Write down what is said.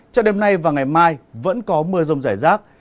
cho đêm nay và ngày mai vẫn có mưa rông rải rác